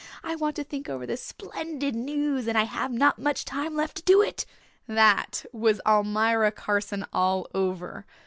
I want to think over this splendid news and I have not much time left to do it.' That was Almira Carson all over.